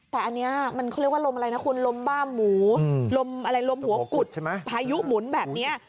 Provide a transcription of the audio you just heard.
แต่อันนี้มันเรียกว่าลมอะไรนะคุณลมบ้ามูหรือลมหัวกุฎถ่ายุ้ข์หมุนแบนเนี่ย